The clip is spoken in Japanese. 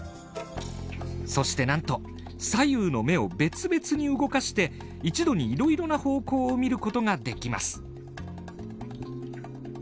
そしてなんと左右の目を別々に動かして一度にいろいろな方向を見ることができます。